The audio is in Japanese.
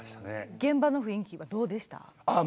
現場の雰囲気はどうでしたか？